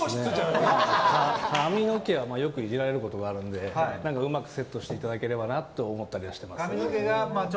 髪の毛はよくイジられることがあるのでうまくセットしていただければなと思ってます。